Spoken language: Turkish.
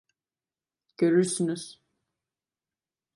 Görürsünüz.